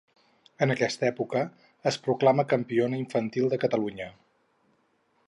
En aquesta època es proclama campiona infantil de Catalunya.